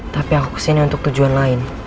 tapi aku kesini untuk tujuan lain